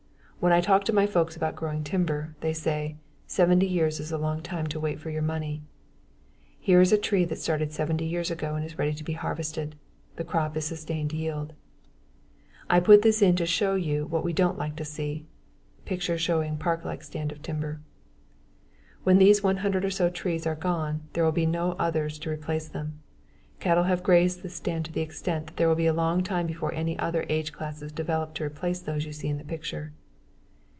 When I talk to my folks about growing timber, they say "70 years is a long time to wait for your money." Here is a tree that started 70 years ago and is ready to be harvested. The crop is sustained yield. I put this in to show you what we don't like to see. (Picture showing park like stand of timber.) When these 100 or so trees are gone, there will be no others to replace them. Cattle have grazed this stand to the extent that it will be a long time before any other age classes develop to replace those you see in the picture.